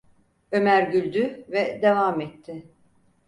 Ömer güldü ve devam etti: